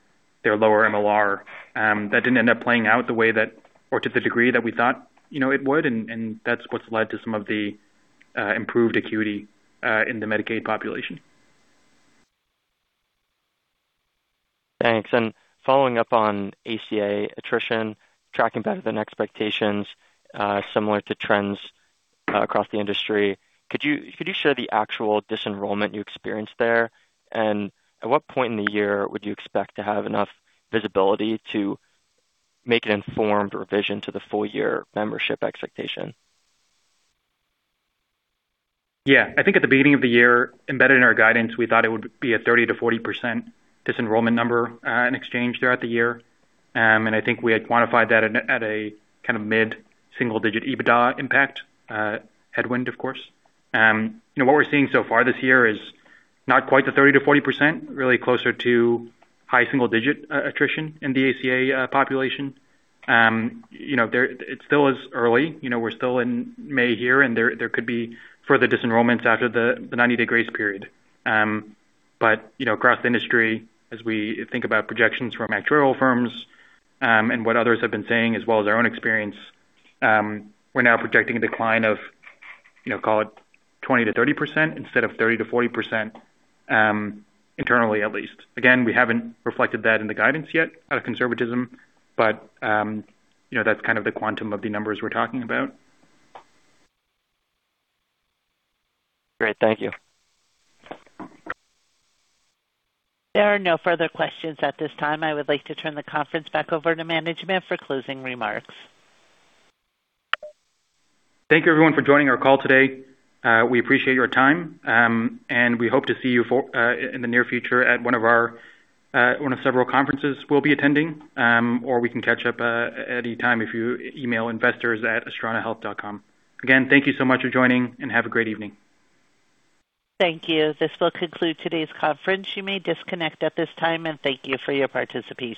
lower MLR. That didn't end up playing out the way that or to the degree that we thought, you know, it would and that's what's led to some of the improved acuity in the Medicaid population. Thanks. Following up on ACA attrition tracking better than expectations, similar to trends across the industry, could you share the actual dis-enrollment you experienced there? At what point in the year would you expect to have enough visibility to make an informed revision to the full year membership expectation? Yeah. I think at the beginning of the year, embedded in our guidance, we thought it would be a 30%-40% dis-enrollment number in exchange throughout the year. I think we had quantified that at a mid-single-digit EBITDA impact, headwind of course. You know, what we're seeing so far this year is not quite the 30%-40%, really closer to high-single-digit attrition in the ACA population. You know, it still is early. You know, we're still in May here, there could be further dis-enrollments after the 90-day grace period. You know, across the industry, as we think about projections from actuarial firms, and what others have been saying, as well as our own experience, we're now projecting a decline of, you know, call it 20%-30% instead of 30%-40%, internally at least. Again, we haven't reflected that in the guidance yet out of conservatism, but, you know, that's kind of the quantum of the numbers we're talking about. Great. Thank you. There are no further questions at this time. I would like to turn the conference back over to management for closing remarks. Thank you everyone for joining our call today. We appreciate your time. We hope to see you for in the near future at one of our one of several conferences we'll be attending. We can catch up at any time if you email investors at astranahealth.com. Again, thank you so much for joining, and have a great evening. Thank you. This will conclude today's conference, you may disconnect at this time, and thank you for your participation.